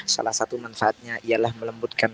salah satu manfaatnya ialah melembutkan